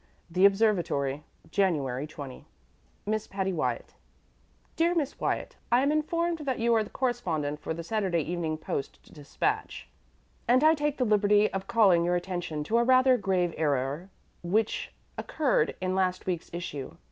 THE OBSERVATORY, January 20. Miss Patty Wyatt. DEAR MISS WYATT: I am informed that you are the correspondent for the "Saturday Evening Post Despatch," and I take the liberty of calling your attention to a rather grave error which occurred in last week's issue.